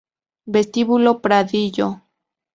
Vestíbulo Pradillo